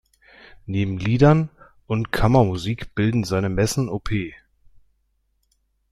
Neben Liedern und Kammermusik bilden seine Messen op.